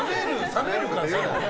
冷めるからさ。